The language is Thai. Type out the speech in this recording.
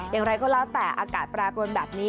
อย่างไรก็แล้วแต่อากาศแปรปรวนแบบนี้